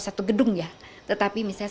satu gedung ya tetapi misalnya